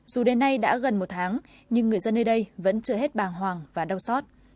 dù đến nay đã gần một tháng nhưng người dân nơi đây vẫn chưa hết bàng hoàng và đau xót